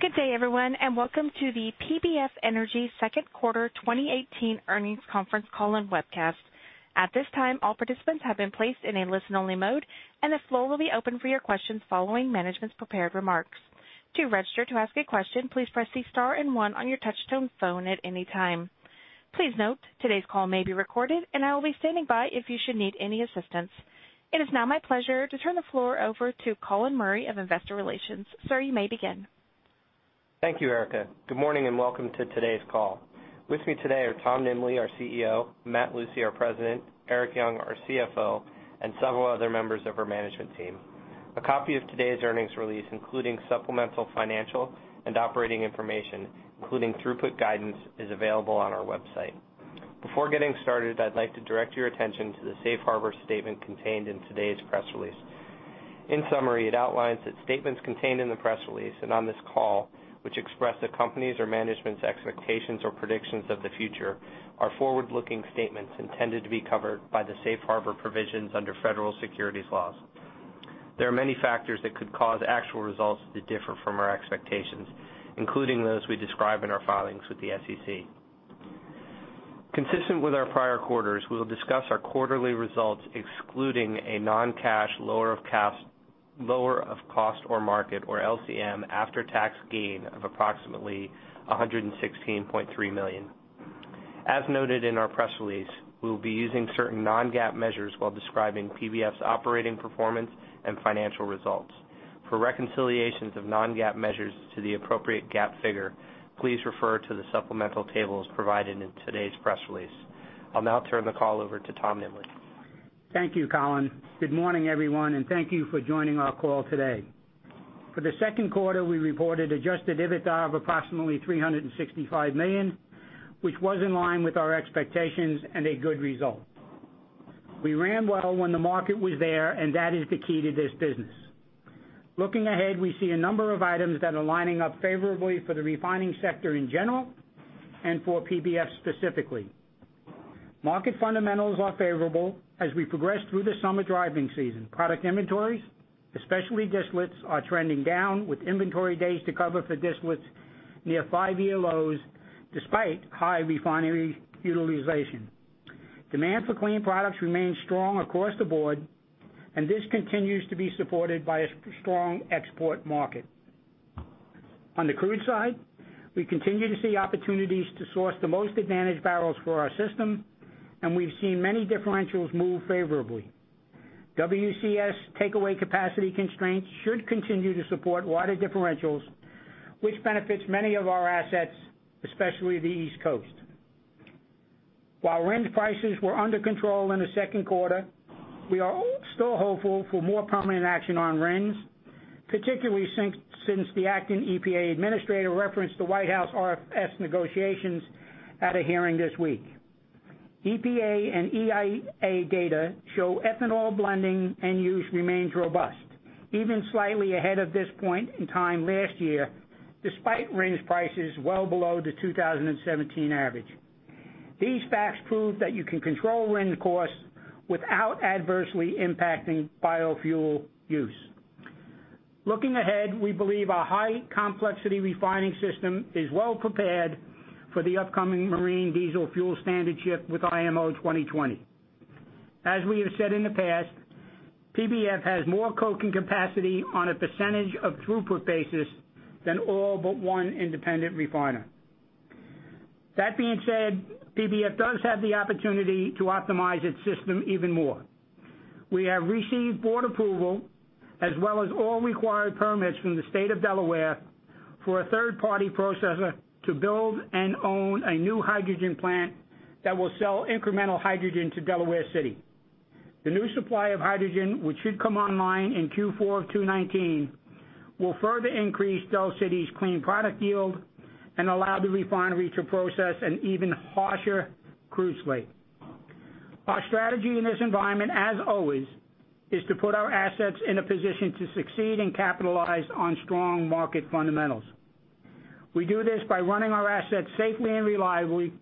Good day everyone, welcome to the PBF Energy Second Quarter 2018 Earnings Conference Call and Webcast. At this time, all participants have been placed in a listen-only mode, the floor will be open for your questions following management's prepared remarks. To register to ask a question, please press star and one on your touchtone phone at any time. Please note, today's call may be recorded I will be standing by if you should need any assistance. It is now my pleasure to turn the floor over to Colin Murray of Investor Relations. Sir, you may begin. Thank you, Erica. Good morning welcome to today's call. With me today are Tom Nimbley, our CEO, Matt Lucey, our President, Erik Young, our CFO, several other members of our management team. A copy of today's earnings release, including supplemental financial and operating information, including throughput guidance, is available on our website. Before getting started, I'd like to direct your attention to the Safe Harbor statement contained in today's press release. In summary, it outlines that statements contained in the press release and on this call, which express the company's or management's expectations or predictions of the future, are forward-looking statements intended to be covered by the Safe Harbor provisions under federal securities laws. There are many factors that could cause actual results to differ from our expectations, including those we describe in our filings with the SEC. Consistent with our prior quarters, we will discuss our quarterly results excluding a non-cash Lower of Cost or Market, or LCM, after-tax gain of approximately $116.3 million. As noted in our press release, we will be using certain non-GAAP measures while describing PBF's operating performance and financial results. For reconciliations of non-GAAP measures to the appropriate GAAP figure, please refer to the supplemental tables provided in today's press release. I'll now turn the call over to Tom Nimbley. Thank you, Colin. Good morning everyone, thank you for joining our call today. For the second quarter, we reported adjusted EBITDA of approximately $365 million, which was in line with our expectations a good result. We ran well when the market was there, that is the key to this business. Looking ahead, we see a number of items that are lining up favorably for the refining sector in general for PBF specifically. Market fundamentals are favorable as we progress through the summer driving season. Product inventories, especially distillates, are trending down, with inventory days to cover for distillates near five-year lows despite high refinery utilization. Demand for clean products remains strong across the board, this continues to be supported by a strong export market. On the crude side, we continue to see opportunities to source the most advantaged barrels for our system, and we've seen many differentials move favorably. WCS takeaway capacity constraints should continue to support wider differentials, which benefits many of our assets, especially the East Coast. While RINs prices were under control in the second quarter, we are still hopeful for more prominent action on RINs, particularly since the acting EPA Administrator referenced the White House RFS negotiations at a hearing this week. EPA and EIA data show ethanol blending and use remains robust, even slightly ahead of this point in time last year, despite RINs prices well below the 2017 average. These facts prove that you can control RIN costs without adversely impacting biofuel use. Looking ahead, we believe our high complexity refining system is well prepared for the upcoming marine diesel fuel standard shift with IMO 2020. As we have said in the past, PBF has more coking capacity on a percentage of throughput basis than all but one independent refiner. That being said, PBF does have the opportunity to optimize its system even more. We have received board approval as well as all required permits from the state of Delaware for a third-party processor to build and own a new hydrogen plant that will sell incremental hydrogen to Delaware City. The new supply of hydrogen, which should come online in Q4 of 2019, will further increase Del City's clean product yield and allow the refinery to process an even harsher crude slate. Our strategy in this environment, as always, is to put our assets in a position to succeed and capitalize on strong market fundamentals. We do this by running our assets safely and reliably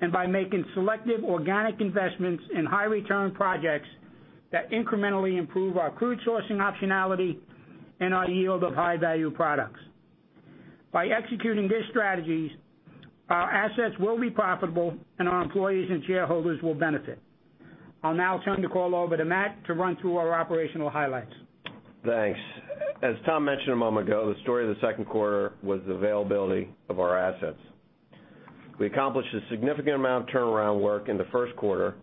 and by making selective organic investments in high-return projects that incrementally improve our crude sourcing optionality and our yield of high-value products. By executing these strategies, our assets will be profitable, and our employees and shareholders will benefit. I'll now turn the call over to Matt to run through our operational highlights. Thanks. As Tom mentioned a moment ago, the story of the second quarter was the availability of our assets. We accomplished a significant amount of turnaround work in the first quarter.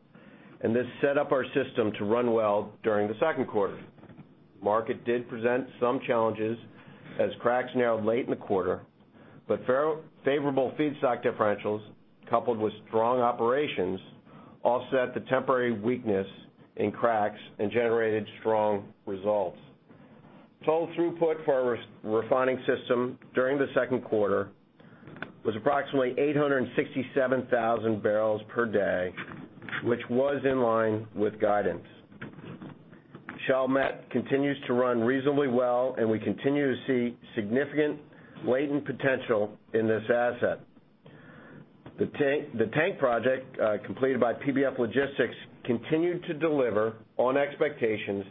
This set up our system to run well during the second quarter. The market did present some challenges as cracks narrowed late in the quarter. Favorable feedstock differentials, coupled with strong operations, offset the temporary weakness in cracks and generated strong results. Total throughput for our refining system during the second quarter was approximately 867,000 barrels per day, which was in line with guidance. Chalmette continues to run reasonably well, and we continue to see significant latent potential in this asset. The tank project completed by PBF Logistics continued to deliver on expectations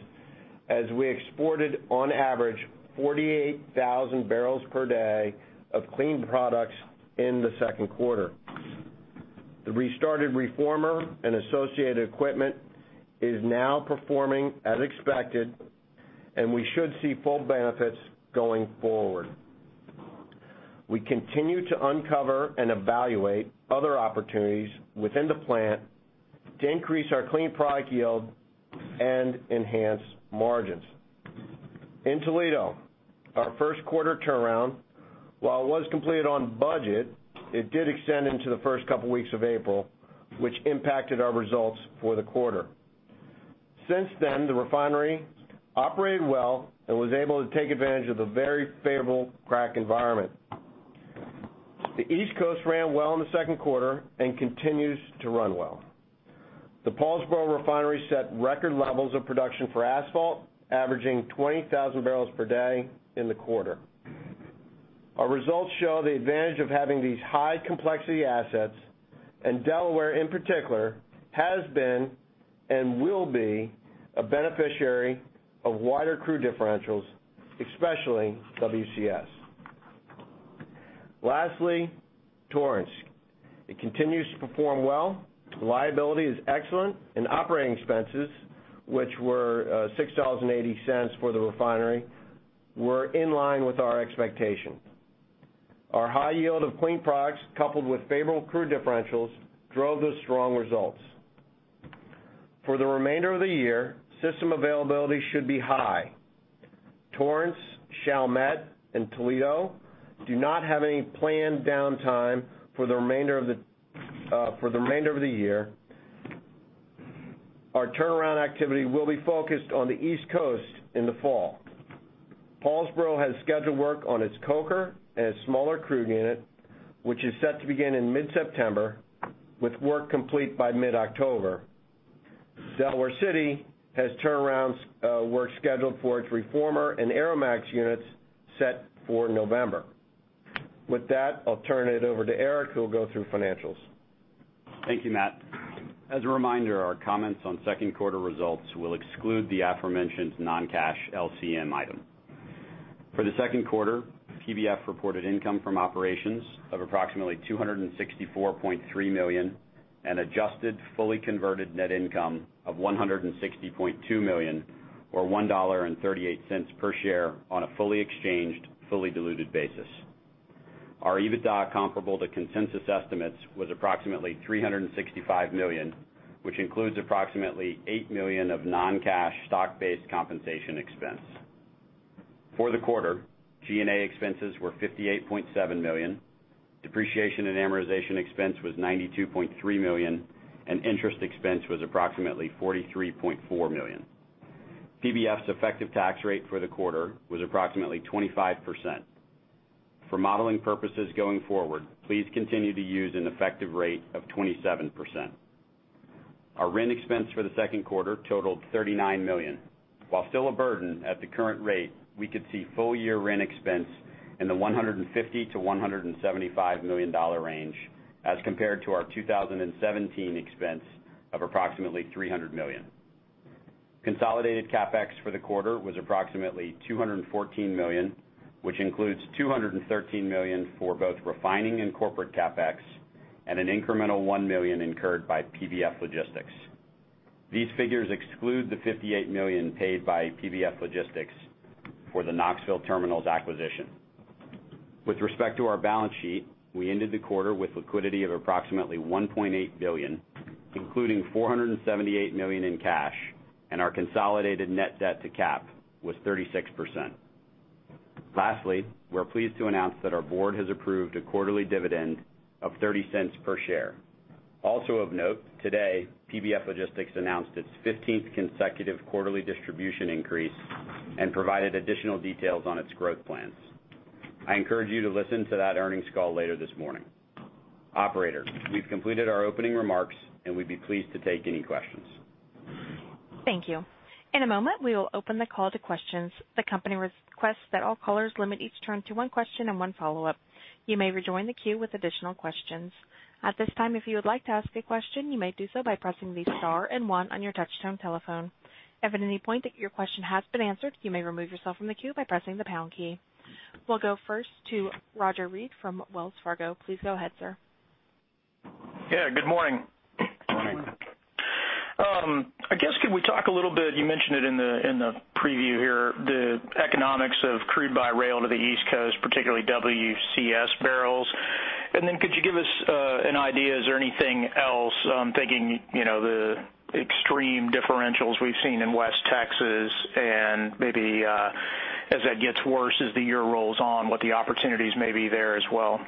as we exported on average 48,000 barrels per day of clean products in the second quarter. The restarted reformer and associated equipment is now performing as expected, and we should see full benefits going forward. We continue to uncover and evaluate other opportunities within the plant to increase our clean product yield and enhance margins. In Toledo, our first quarter turnaround, while it was completed on budget, it did extend into the first couple of weeks of April, which impacted our results for the quarter. Since then, the refinery operated well and was able to take advantage of the very favorable crack environment. The East Coast ran well in the second quarter and continues to run well. The Paulsboro Refinery set record levels of production for asphalt, averaging 20,000 barrels per day in the quarter. Our results show the advantage of having these high-complexity assets, and Delaware in particular, has been and will be a beneficiary of wider crude differentials, especially WCS. Lastly, Torrance. It continues to perform well. Reliability is excellent, and operating expenses, which were $6.80 for the refinery, were in line with our expectations. Our high yield of clean products, coupled with favorable crude differentials, drove those strong results. For the remainder of the year, system availability should be high. Torrance, Chalmette, and Toledo do not have any planned downtime for the remainder of the year. Our turnaround activity will be focused on the East Coast in the fall. Paulsboro has scheduled work on its coker and its smaller crude unit, which is set to begin in mid-September, with work complete by mid-October. Delaware City has turnaround work scheduled for its reformer and Aromax units set for November. With that, I'll turn it over to Erik, who will go through financials. Thank you, Matt. As a reminder, our comments on second quarter results will exclude the aforementioned non-cash LCM item. For the second quarter, PBF reported income from operations of approximately $264.3 million and adjusted fully converted net income of $160.2 million or $1.38 per share on a fully exchanged, fully diluted basis. Our EBITDA comparable to consensus estimates was approximately $365 million, which includes approximately $8 million of non-cash stock-based compensation expense. For the quarter, G&A expenses were $58.7 million, depreciation and amortization expense was $92.3 million, and interest expense was approximately $43.4 million. PBF's effective tax rate for the quarter was approximately 25%. For modeling purposes going forward, please continue to use an effective rate of 27%. Our rent expense for the second quarter totaled $39 million. While still a burden at the current rate, we could see full-year rent expense in the $150 million-$175 million range as compared to our 2017 expense of approximately $300 million. Consolidated CapEx for the quarter was approximately $214 million, which includes $213 million for both refining and corporate CapEx and an incremental $1 million incurred by PBF Logistics. These figures exclude the $58 million paid by PBF Logistics for the Knoxville Terminal's acquisition. With respect to our balance sheet, we ended the quarter with liquidity of approximately $1.8 billion, including $478 million in cash, and our consolidated net debt to cap was 36%. Lastly, we're pleased to announce that our board has approved a quarterly dividend of $0.30 per share. Also of note, today, PBF Logistics announced its 15th consecutive quarterly distribution increase and provided additional details on its growth plans. I encourage you to listen to that earnings call later this morning. Operator, we've completed our opening remarks, and we'd be pleased to take any questions. Thank you. In a moment, we will open the call to questions. The company requests that all callers limit each turn to one question and one follow-up. You may rejoin the queue with additional questions. At this time, if you would like to ask a question, you may do so by pressing the star and one on your touchtone telephone. If at any point your question has been answered, you may remove yourself from the queue by pressing the pound key. We'll go first to Roger Read from Wells Fargo. Please go ahead, sir. Yeah, good morning. Good morning. I guess could we talk a little bit, you mentioned it in the preview here, the economics of crude by rail to the East Coast, particularly WCS barrels. Could you give us an idea, is there anything else? I'm thinking the extreme differentials we've seen in West Texas and maybe as that gets worse as the year rolls on, what the opportunities may be there as well.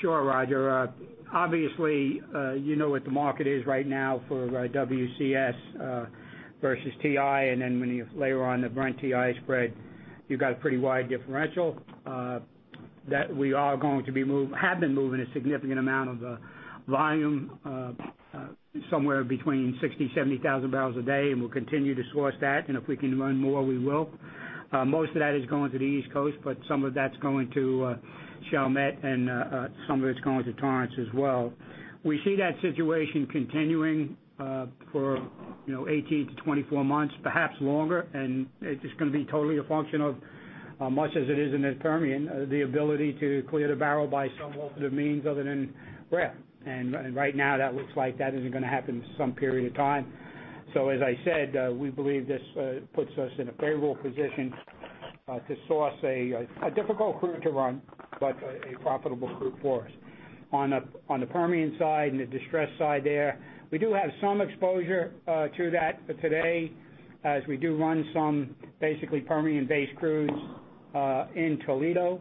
Sure, Roger. Obviously, you know what the market is right now for WCS versus WTI, when you later on the Brent-WTI spread, you've got a pretty wide differential. That we are going to be have been moving a significant amount Of volume somewhere between 60,000, 70,000 barrels a day, we'll continue to source that. If we can run more, we will. Most of that is going to the East Coast, but some of that's going to Chalmette and some of it's going to Torrance as well. We see that situation continuing for 18 to 24 months, perhaps longer, it's just going to be totally a function of, much as it is in the Permian, the ability to clear the barrel by some alternative means other than rail. Right now, that looks like that isn't going to happen for some period of time. As I said, we believe this puts us in a favorable position to source a difficult crude to run, but a profitable crude for us. On the Permian side and the distressed side there, we do have some exposure to that today, as we do run some basically Permian-based crudes in Toledo.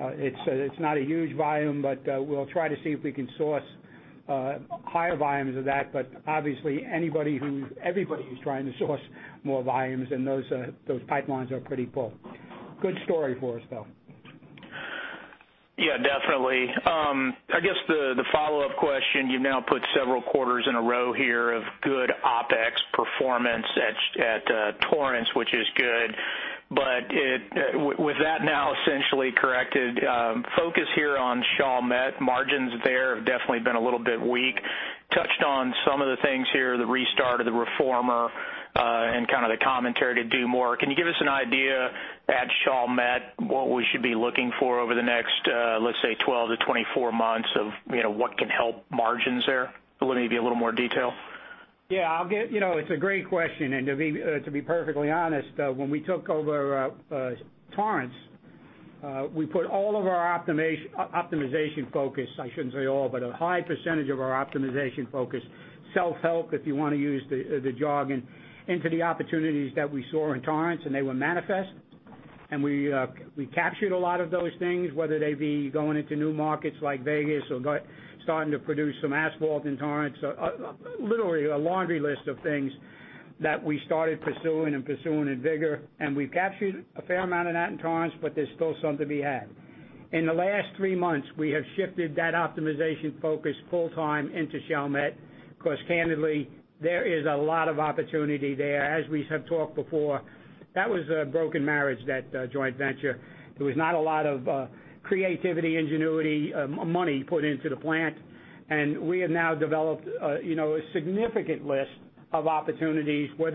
It's not a huge volume, but we'll try to see if we can source higher volumes of that. Obviously, everybody is trying to source more volumes, those pipelines are pretty full. Good story for us, though. Yeah, definitely. I guess the follow-up question, you've now put several quarters in a row here of good OpEx performance at Torrance, which is good. With that now essentially corrected, focus here on Chalmette. Margins there have definitely been a little bit weak. Touched on some of the things here, the restart of the reformer, and kind of the commentary to do more. Can you give us an idea at Chalmette, what we should be looking for over the next, let's say, 12 to 24 months of what can help margins there? Maybe a little more detail. Yeah. It's a great question. To be perfectly honest, when we took over Torrance, we put all of our optimization focus, I shouldn't say all, but a high percentage of our optimization focus, self-help, if you want to use the jargon, into the opportunities that we saw in Torrance, and they were manifest. We captured a lot of those things, whether they be going into new markets like Vegas or starting to produce some asphalt in Torrance. Literally, a laundry list of things that we started pursuing and pursuing in vigor, and we've captured a fair amount of that in Torrance, but there's still some to be had. In the last three months, we have shifted that optimization focus full-time into Chalmette. Candidly, there is a lot of opportunity there. As we have talked before, that was a broken marriage, that joint venture. There was not a lot of creativity, ingenuity, money put into the plant. We have now developed a significant list of opportunities. Matt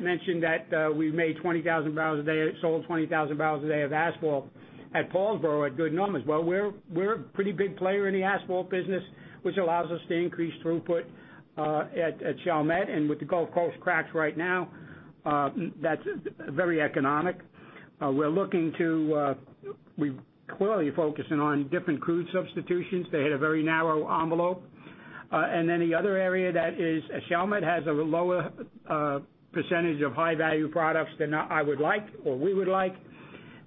mentioned that we made 20,000 barrels a day, sold 20,000 barrels a day of asphalt at Paulsboro at good numbers. Well, we're a pretty big player in the asphalt business, which allows us to increase throughput at Chalmette. With the Gulf Coast cracks right now, that's very economic. We're clearly focusing on different crude substitutions. They had a very narrow envelope. The other area that is, Chalmette has a lower percentage of high-value products than I would like, or we would like,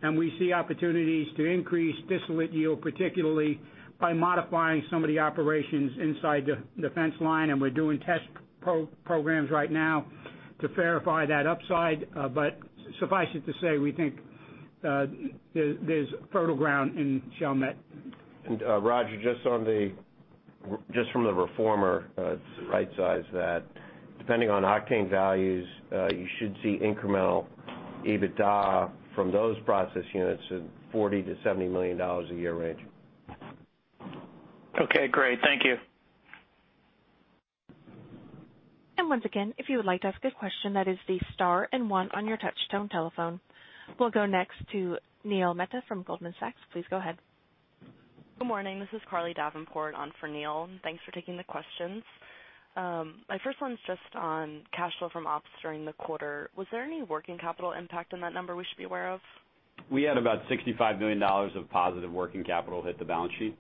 and we see opportunities to increase distillate yield, particularly by modifying some of the operations inside the fence line, and we're doing test programs right now to verify that upside. Suffice it to say, we think there's fertile ground in Chalmette. Roger, just from the reformer, to rightsize that, depending on octane values, you should see incremental EBITDA from those process units in $40 million-$70 million a year range. Okay, great. Thank you. Once again, if you would like to ask a question, that is the star and one on your touchtone telephone. We'll go next to Neil Mehta from Goldman Sachs. Please go ahead. Good morning. This is Carly Davenport on for Neil. Thanks for taking the questions. My first one's just on cash flow from ops during the quarter. Was there any working capital impact on that number we should be aware of? We had about $65 million of positive working capital hit the balance sheet.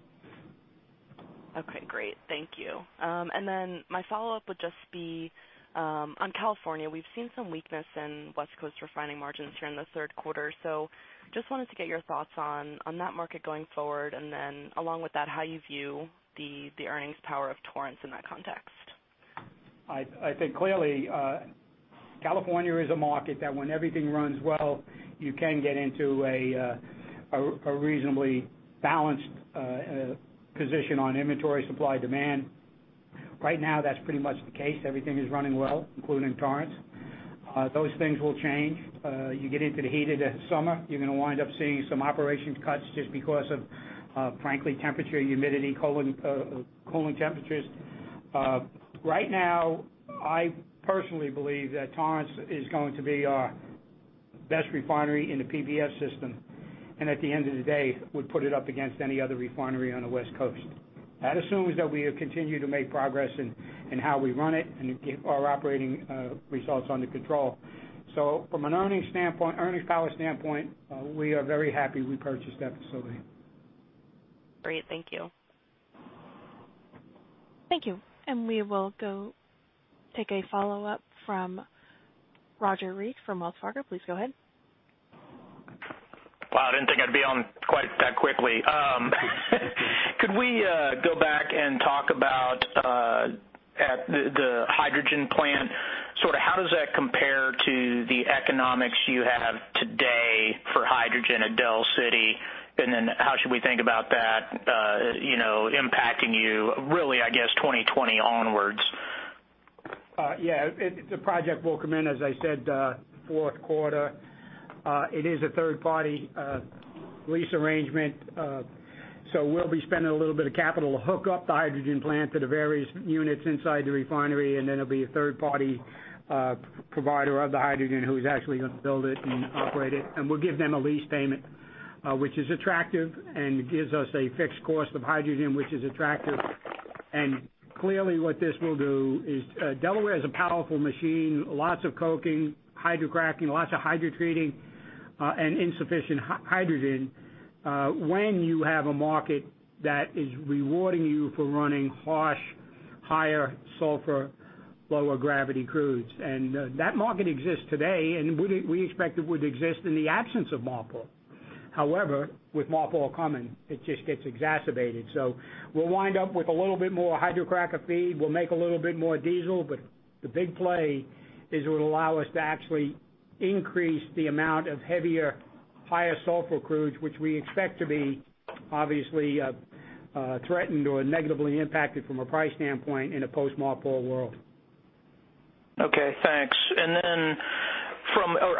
Okay, great. Thank you. My follow-up would just be on California. We've seen some weakness in West Coast refining margins during the third quarter. Just wanted to get your thoughts on that market going forward, and then along with that, how you view the earnings power of Torrance in that context. I think clearly, California is a market that when everything runs well, you can get into a reasonably balanced position on inventory, supply, demand. Right now, that's pretty much the case. Everything is running well, including Torrance. Those things will change. You get into the heat of the summer, you're going to wind up seeing some operations cuts just because of, frankly, temperature, humidity, cooling temperatures. Right now, I personally believe that Torrance is going to be our best refinery in the PBF system. At the end of the day, would put it up against any other refinery on the West Coast. That assumes that we continue to make progress in how we run it and get our operating results under control. From an earnings power standpoint, we are very happy we purchased that facility. Great. Thank you. Thank you. We will go take a follow-up from Roger Read from Wells Fargo. Please go ahead. Wow, I didn't think I'd be on quite that quickly. The economics you have today for hydrogen at Del City, and then how should we think about that impacting you really, I guess, 2020 onwards? Yeah. The project will come in, as I said, fourth quarter. It is a third-party lease arrangement. We'll be spending a little bit of capital to hook up the hydrogen plant to the various units inside the refinery, and then it'll be a third-party provider of the hydrogen who's actually going to build it and operate it. We'll give them a lease payment, which is attractive and gives us a fixed cost of hydrogen, which is attractive. Clearly what this will do is, Delaware is a powerful machine, lots of coking, hydrocracking, lots of hydrotreating, and insufficient hydrogen. When you have a market that is rewarding you for running harsh, higher sulfur, lower gravity crudes. That market exists today, and we expect it would exist in the absence of MARPOL. However, with MARPOL coming, it just gets exacerbated. We'll wind up with a little bit more hydrocracker feed. We'll make a little bit more diesel, but the big play is it would allow us to actually increase the amount of heavier, higher sulfur crudes, which we expect to be obviously threatened or negatively impacted from a price standpoint in a post-MARPOL world. Okay, thanks.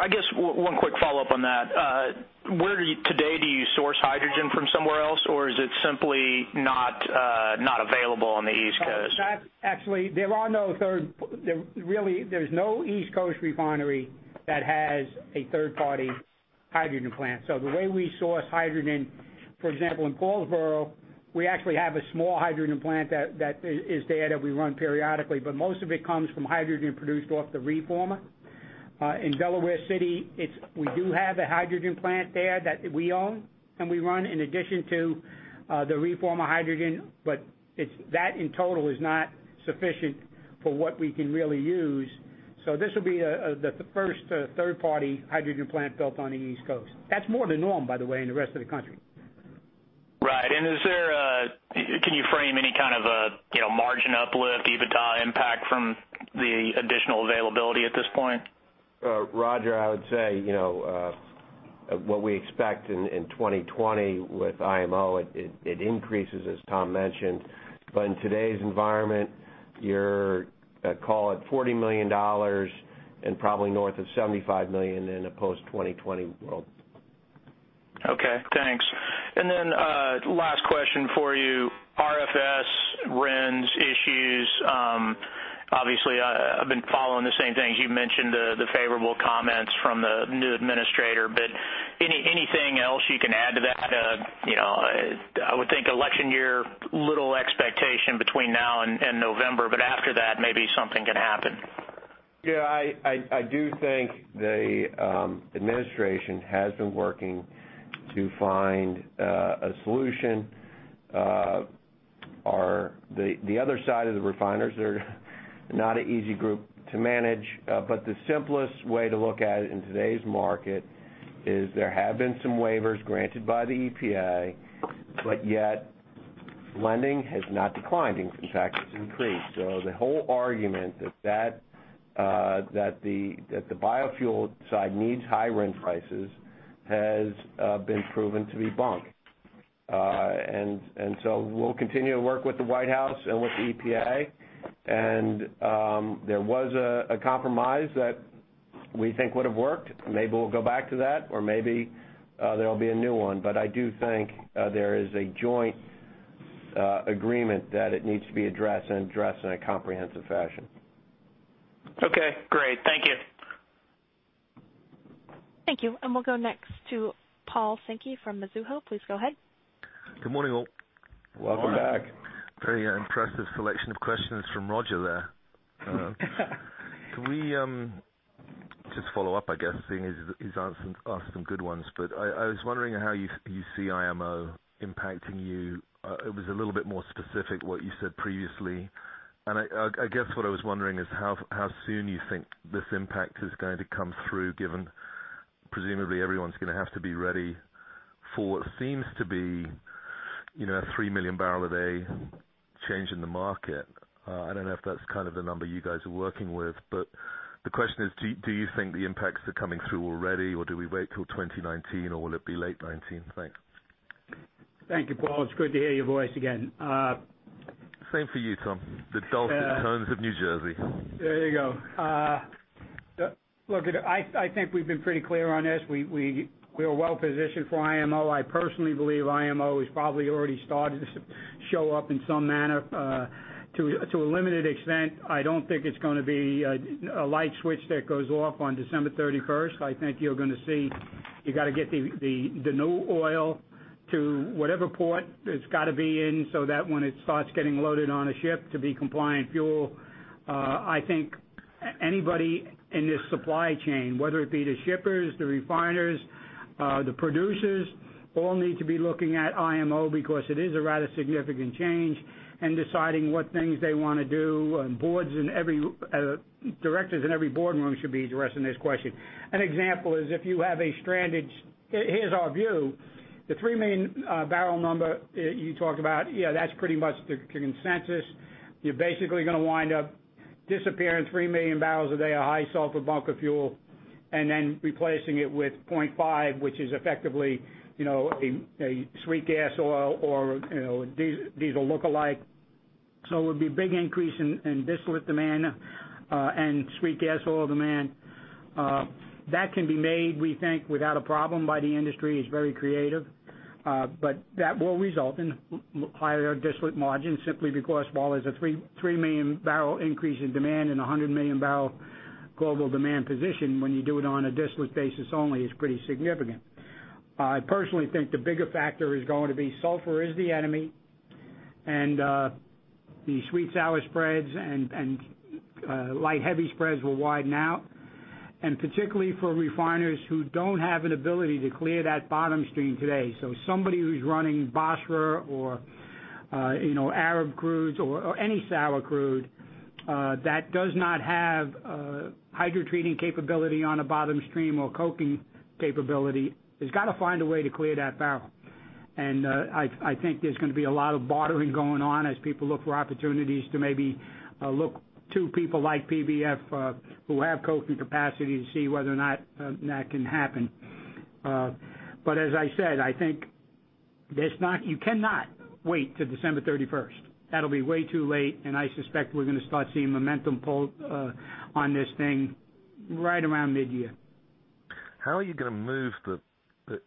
I guess, one quick follow-up on that. Where today do you source hydrogen from somewhere else, or is it simply not available on the East Coast? Actually, there's no East Coast refinery that has a third-party hydrogen plant. The way we source hydrogen, for example, in Paulsboro, we actually have a small hydrogen plant that is there that we run periodically, but most of it comes from hydrogen produced off the reformer. In Delaware City, we do have a hydrogen plant there that we own and we run in addition to the reformer hydrogen, but that in total is not sufficient for what we can really use. This will be the first third-party hydrogen plant built on the East Coast. That's more the norm, by the way, in the rest of the country. Right. Can you frame any kind of a margin uplift, EBITDA impact from the additional availability at this point? Roger, I would say, what we expect in 2020 with IMO, it increases, as Tom mentioned. In today's environment, you're call it $40 million and probably north of $75 million in a post-2020 world. Last question for you. RFS RINs issues, obviously, I've been following the same things. You've mentioned the favorable comments from the new administrator. Anything else you can add to that? I would think election year, little expectation between now and November. After that, maybe something can happen. Yeah, I do think the administration has been working to find a solution. The other side of the refiners are not an easy group to manage. The simplest way to look at it in today's market is there have been some waivers granted by the EPA. Yet lending has not declined. In fact, it's increased. The whole argument that the biofuel side needs high RIN prices has been proven to be bunk. We'll continue to work with the White House and with the EPA. There was a compromise that we think would've worked. Maybe we'll go back to that or maybe there'll be a new one. I do think there is a joint agreement that it needs to be addressed and addressed in a comprehensive fashion. Okay, great. Thank you. Thank you. We'll go next to Paul Sankey from Mizuho. Please go ahead. Good morning, all. Welcome back. Very impressive selection of questions from Roger there. Can we just follow up, I guess, seeing as he's asked some good ones. I was wondering how you see IMO impacting you. It was a little bit more specific what you said previously. I guess what I was wondering is how soon you think this impact is going to come through, given presumably everyone's going to have to be ready for what seems to be a three-million-barrel-a-day change in the market. I don't know if that's kind of the number you guys are working with, but the question is, do you think the impacts are coming through already, or do we wait till 2019, or will it be late 2019? Thanks. Thank you, Paul. It's great to hear your voice again. Same for you, Tom. The dulcet tones of New Jersey. There you go. Look, I think we've been pretty clear on this. We are well-positioned for IMO. I personally believe IMO has probably already started to show up in some manner to a limited extent. I don't think it's going to be a light switch that goes off on December 31st. I think you're going to see, you got to get the new oil to whatever port it's got to be in so that when it starts getting loaded on a ship to be compliant fuel. I think anybody in this supply chain, whether it be the shippers, the refiners, the producers, all need to be looking at IMO because it is a rather significant change and deciding what things they want to do. Directors in every boardroom should be addressing this question. Here's our view. The 3 main barrel number you talked about, yeah, that's pretty much the consensus. You're basically going to wind up disappearing 3 million barrels a day of high sulfur bunker fuel and then replacing it with 0.5, which is effectively a sweet gas oil or diesel lookalike. It would be a big increase in distillate demand and sweet gas oil demand. That can be made, we think, without a problem by the industry, it's very creative. That will result in higher distillate margins simply because while there's a 3 million barrel increase in demand and 100 million barrel global demand position, when you do it on a distillate basis only, it's pretty significant. I personally think the bigger factor is going to be sulfur is the enemy, the sweet sour spreads and light heavy spreads will widen out. Particularly for refiners who don't have an ability to clear that bottom stream today. Somebody who's running Basra or Arab crudes or any sour crude that does not have hydrotreating capability on a bottom stream or coking capability, has got to find a way to clear that barrel. I think there's going to be a lot of bartering going on as people look for opportunities to maybe look to people like PBF, who have coking capacity, to see whether or not that can happen. As I said, I think you cannot wait till December 31st. That'll be way too late, and I suspect we're going to start seeing momentum pull on this thing right around mid-year. How are you going to move the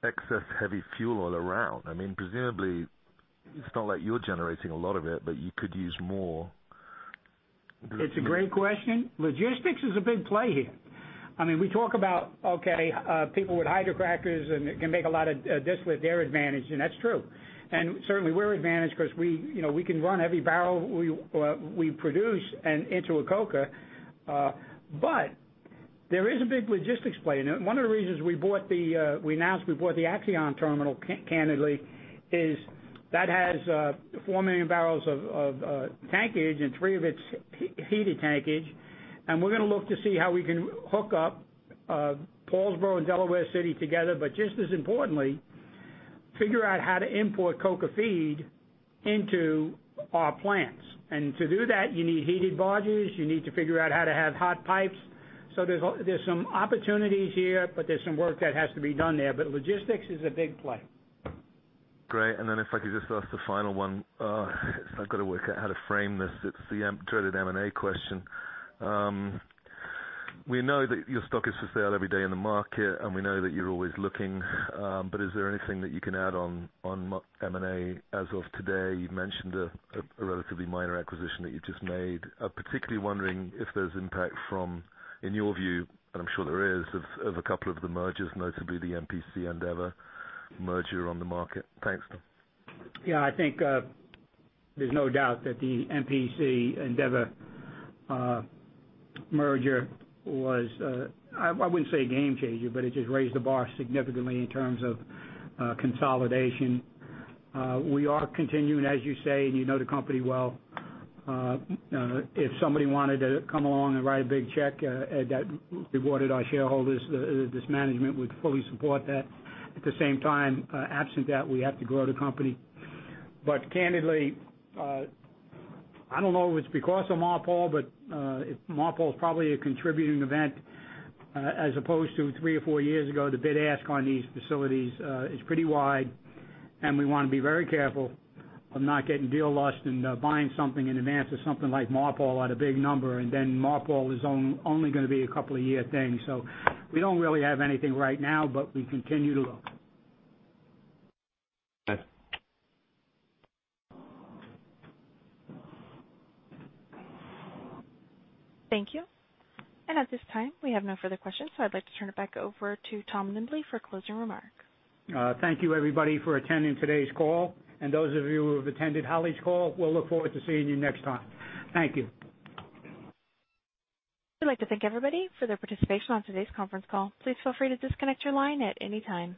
excess heavy fuel oil around? Presumably, it's not like you're generating a lot of it, but you could use more. It's a great question. Logistics is a big play here. We talk about, okay, people with hydrocrackers, and it can make a lot of distillate, they're advantaged, and that's true. Certainly, we're advantaged because we can run every barrel we produce into a coker. There is a big logistics play. One of the reasons we announced we bought the Axeon terminal, candidly, is that has 4 million barrels of tankage and 3 of it is heated tankage. We're going to look to see how we can hook up Paulsboro and Delaware City together, just as importantly, figure out how to import coker feed into our plants. To do that, you need heated barges. You need to figure out how to have hot pipes. There's some opportunities here, there's some work that has to be done there. Logistics is a big play. Great. Then if I could just ask the final one. I've got to work out how to frame this. It's the dreaded M&A question. We know that your stock is for sale every day in the market, we know that you're always looking. Is there anything that you can add on M&A as of today? You mentioned a relatively minor acquisition that you just made. I'm particularly wondering if there's impact from, in your view, I'm sure there is, of a couple of the mergers, notably the MPC Andeavor merger on the market. Thanks. I think there's no doubt that the MPC Andeavor merger was, I wouldn't say a game changer, but it just raised the bar significantly in terms of consolidation. We are continuing, as you say, you know the company well. If somebody wanted to come along and write a big check that rewarded our shareholders, this management would fully support that. At the same time, absent that, we have to grow the company. Candidly, I don't know if it's because of MARPOL is probably a contributing event. As opposed to three or four years ago, the bid ask on these facilities is pretty wide, we want to be very careful of not getting deal lust and buying something in advance of something like MARPOL at a big number, then MARPOL is only going to be a couple of year thing. We don't really have anything right now, but we continue to look. Okay. Thank you. At this time, we have no further questions, so I'd like to turn it back over to Tom Nimbley for closing remarks. Thank you, everybody, for attending today's call. Those of you who have attended HollyFrontier's call, we'll look forward to seeing you next time. Thank you. We'd like to thank everybody for their participation on today's conference call. Please feel free to disconnect your line at any time.